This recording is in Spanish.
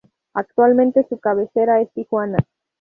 Actualmente su cabecera es Tijuana.